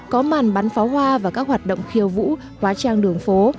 có màn bắn pháo hoa và các hoạt động khiêu vũ hóa trang đường phố